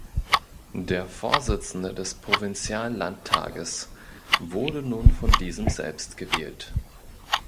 Der Vorsitzende des Provinziallandtages wurde nun von diesem selbst gewählt.